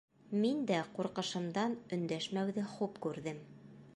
Мин дә ҡурҡышымдан өндәшмәүҙе хуп күрҙем.